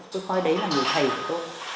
tôi coi đấy là người thầy của tôi